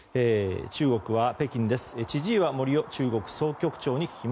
中国は北京です。